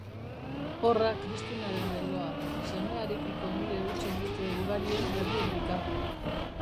Horra Kristinaren leloa, semearekiko nire huts-egite ugarien errubrika.